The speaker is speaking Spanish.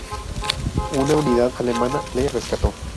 Una unidad alemana le rescató.